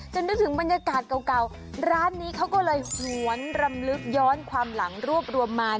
นึกถึงบรรยากาศเก่าร้านนี้เขาก็เลยหวนรำลึกย้อนความหลังรวบรวมมา